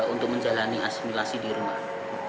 untuk menjalani asimilasi di rumah